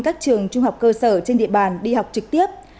các trường trung học cơ sở trên địa bàn đi học trực tiếp